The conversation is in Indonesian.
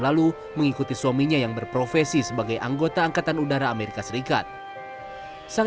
lalu mengikuti suaminya yang berprofesi sebagai anggota angkatan udara amerika serikat sang